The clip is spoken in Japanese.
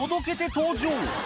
登場